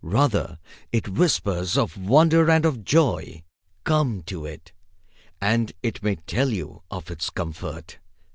Rather it whispers of wonder and of joy. Come to it, and it may tell you of its comfort.